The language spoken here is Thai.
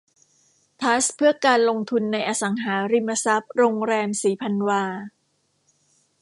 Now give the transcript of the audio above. ทรัสต์เพื่อการลงทุนในอสังหาริมทรัพย์โรงแรมศรีพันวา